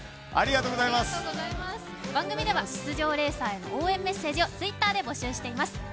番組では出場レーサーへの応援メッセージをＴｗｉｔｔｅｒで募集しています。